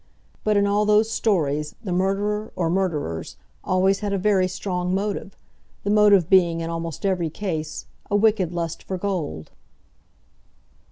But in all those stories the murderer or murderers always had a very strong motive, the motive being, in almost every case, a wicked lust for gold.